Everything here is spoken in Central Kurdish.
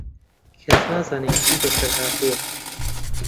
کەس نازانێت چی بەسەر هاتووە.